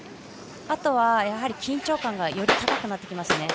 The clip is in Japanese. あとは緊張感が高くなってきます。